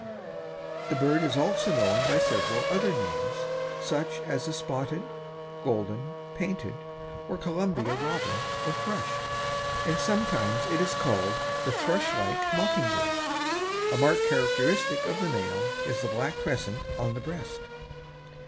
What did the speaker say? The bird is also known by several other names, such as the Spotted, Golden, Painted or Columbia Robin or Thrush, and sometimes it is called the Thrush like Mockingbird. A marked characteristic of the male is the black crescent on the breast.